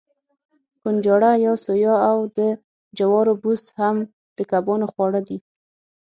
کنجاړه یا سویا او د جوارو بوس هم د کبانو خواړه دي.